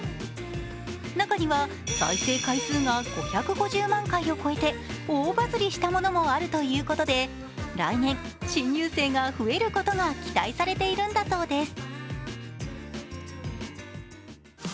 中には、再生回数が５５０万回を超えて大バズりしたものもあるということで、来年、新入生が増えることが期待されているんだそうです。